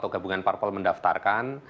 gabungan parpol mendaftarkan